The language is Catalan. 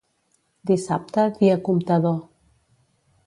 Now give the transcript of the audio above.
Dissabte, dia comptador.